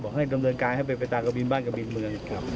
บอกให้ดำเนินการให้ไปตากบินบ้านกับบินเมือง